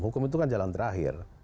hukum itu kan jalan terakhir